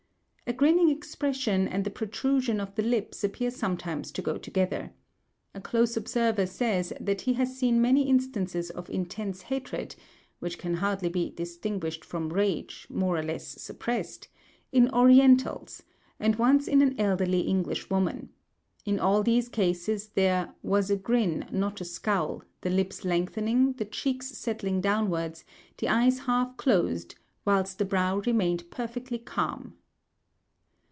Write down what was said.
A grinning expression and the protrusion of the lips appear sometimes to go together. A close observer says that he has seen many instances of intense hatred (which can hardly be distinguished from rage, more or less suppressed) in Orientals, and once in an elderly English woman. In all these cases there "was a grin, not a scowl—the lips lengthening, the cheeks settling downwards, the eyes half closed, whilst the brow remained perfectly calm."